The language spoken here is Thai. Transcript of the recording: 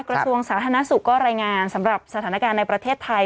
กระทรวงสาธารณสุขก็รายงานสำหรับสถานการณ์ในประเทศไทย